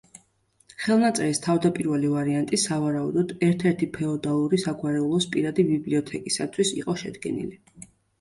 ხელნაწერის თავდაპირველი ვარიანტი, სავარაუდოდ, ერთ-ერთი ფეოდალური საგვარეულოს პირადი ბიბლიოთეკისათვის იყო შედგენილი.